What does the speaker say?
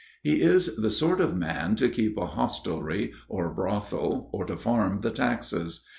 He is the sort of man to keep a hostelry, or brothel, or to farm the taxes.